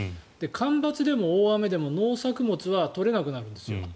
干ばつでも大雨でも農作物は取れなくなるんです。